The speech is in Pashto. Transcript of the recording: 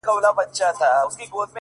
د پریان لوري!! د هرات او ګندارا لوري!!